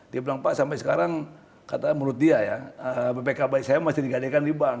dia bilang pak sampai sekarang katanya menurut dia ya bpk baik saya masih digadekan di bank